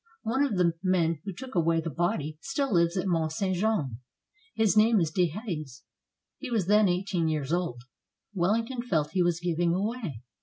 One of the men who took away the body still lives at Mont St. Jean. His name is Dehaze; he was then eight een years old. WelHngton felt he was giving away.